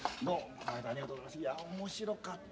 いや面白かった。